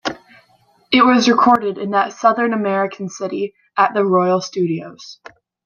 It was recorded in that Southern American city at the Royal Studios.